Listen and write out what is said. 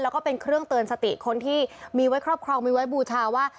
แล้วก็เป็นเครื่องเตือนสติคนที่มีไว้ครอบครองมีไว้บูชาว่า